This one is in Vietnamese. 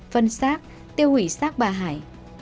phân xác tiêu hủy xác bà hải